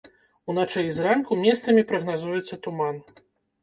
Уначы і зранку месцамі прагназуецца туман.